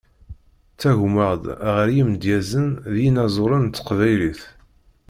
Ttagmaɣ-d ɣer yimedyazen d yinaẓuren n Teqbaylit.